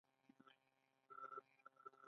لرغونپوهان یې د ستورو جګړه ګڼي.